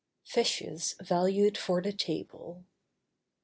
FISHES VALUED FOR THE TABLE.